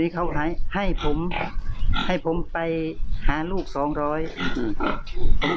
นี่เขาให้ผมไปหาลูก๒๐๐กิโลกรัม